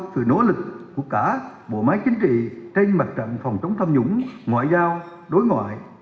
từ nỗ lực của cả bộ máy chính trị trên mặt trận phòng chống tham nhũng ngoại giao đối ngoại